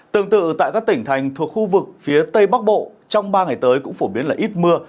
tương tự tại các tỉnh thành thuộc khu vực phía tây bắc bộ trong ba ngày tới cũng phổ biến là ít mưa